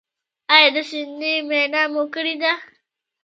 ایا د سینې معاینه مو کړې ده؟